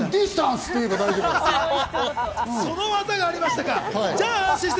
その技がありましたか。